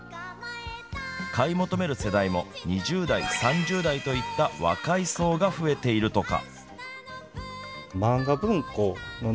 買い求める世代も２０代、３０代といった若い層が増えているとか。